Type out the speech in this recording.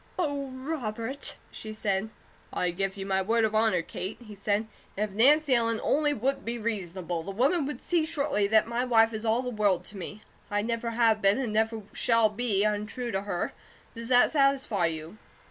"Oh, Robert!" she said. "I give you my word of honour, Kate," he said. "If Nancy Ellen only would be reasonable, the woman would see shortly that my wife is all the world to me. I never have been, and never shall be, untrue to her. Does that satisfy you?"